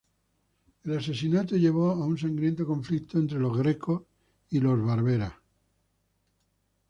El asesinato llevó a un sangriento conflicto entre los Greco y los La Barbera.